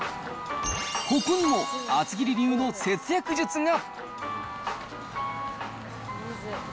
ここにも厚切り流の節約術が。